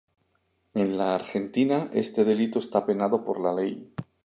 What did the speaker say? En la Argentina este delito está penado por la ley.